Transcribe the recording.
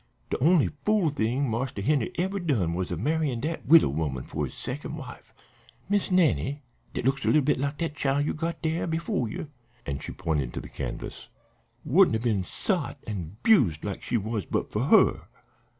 De only fool thing Marster Henry ever done was a marryin' dat widow woman for his second wife. Miss Nannie, dat looks a lil bit like dat chile you got dere before ye" and she pointed to the canvas "wouldn't a been sot on an' 'bused like she was but for her.